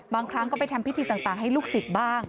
บางครั้งก็ไปทำพิธีต่างให้ลูกศิษย์บ้าง